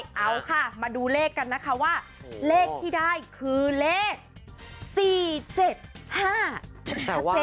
ด้วยเอาค่ะมาดูเลขกันนะคะว่าเลขที่ได้คือเลขสี่เจ็ดห้าแต่ว่า